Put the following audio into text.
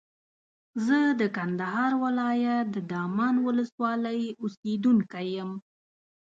زه د کندهار ولایت د دامان ولسوالۍ اوسېدونکی یم.